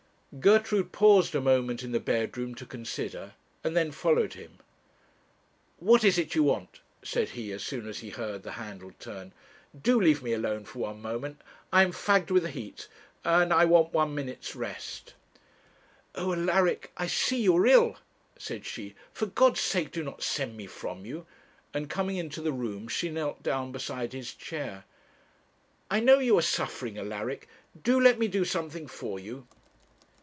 Gertrude paused a moment in the bedroom to consider, and then followed him. 'What is it you want?' said he, as soon as he heard the handle turn, 'do leave me alone for one moment. I am fagged with the heat, and I want one minute's rest.' 'Oh, Alaric, I see you are ill,' said she. 'For God's sake do not send me from you,' and coming into the room she knelt down beside his chair. 'I know you are suffering, Alaric; do let me do something for you.'